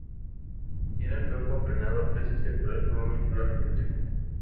Tiene el cuerpo aplanado, casi circular, con una cola fuerte.